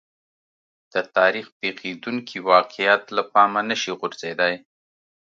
د تاریخ پېښېدونکي واقعات له پامه نه شي غورځېدای.